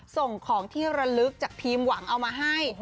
ส่งของที่ระลึกจากทีมหวังเอามาให้